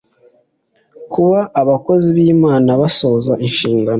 kuba abakozi bImana basohoza inshingano